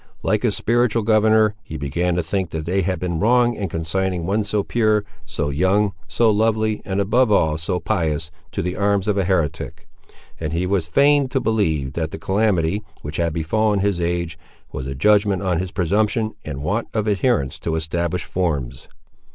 Like his spiritual governor, he began to think that they had been wrong in consigning one so pure, so young, so lovely, and above all so pious, to the arms of a heretic: and he was fain to believe that the calamity, which had befallen his age, was a judgment on his presumption and want of adherence to established forms.